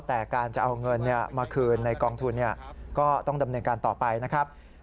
แต่การจะเอาเงินมาคืนในกองทุนก็ต้องดำเนินการต่อไปนะครับ